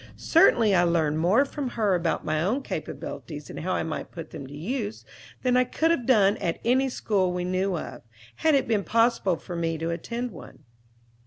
Certainly I learned more from her about my own capabilities, and how I might put them to use, than I could have done at any school we knew of, had it been possible for me to attend one.